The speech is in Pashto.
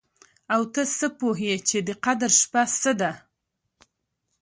او ته څه پوه يې چې د قدر شپه څه ده؟